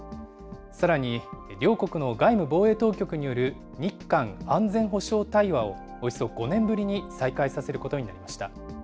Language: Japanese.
さらに両国の外務・防衛当局による日韓安全保障対話を、およそ５年ぶりに再開させることになりました。